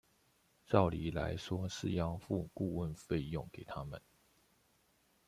照道理來說是要付顧問費用給他們